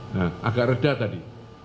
nah agak reda tadi